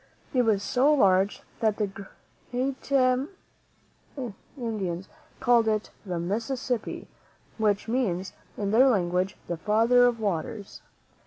It was so large and great that the Indians called it the Mississippi, which means in their language the Father of Waters.